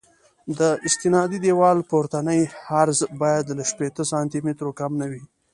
د استنادي دیوال پورتنی عرض باید له شپېته سانتي مترو کم نه وي